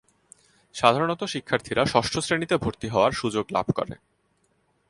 সাধারণত শিক্ষার্থীরা ষষ্ঠ শ্রেণীতে ভর্তি হওয়ার সুযোগ লাভ করে।